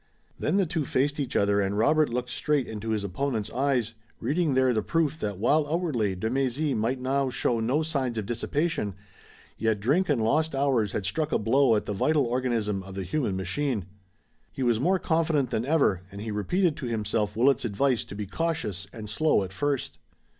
Then the two faced each other and Robert looked straight into his opponent's eyes, reading there the proof that while outwardly de Mézy might now show no signs of dissipation, yet drink and lost hours had struck a blow at the vital organism of the human machine. He was more confident than ever, and he repeated to himself Willet's advice to be cautious and slow at first.